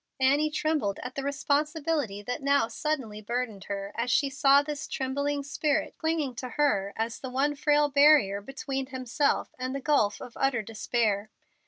Annie trembled at the responsibility that now suddenly burdened her as she saw this trembling spirit clinging to her as the one frail barrier between himself and the gulf of utter despair.